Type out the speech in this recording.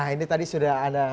ini tadi sudah ada